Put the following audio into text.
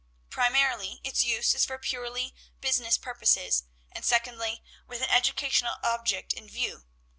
Primarily, its use is for purely business purposes, and secondly, with an educational object in view.